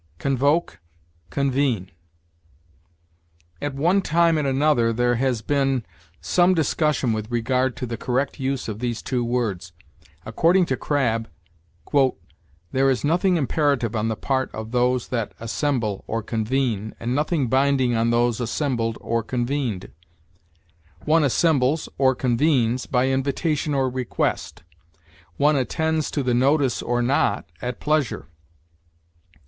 CONVOKE CONVENE. At one time and another there has been some discussion with regard to the correct use of these two words. According to Crabb, "There is nothing imperative on the part of those that assemble, or convene, and nothing binding on those assembled, or convened: one assembles, or convenes, by invitation or request; one attends to the notice or not, at pleasure.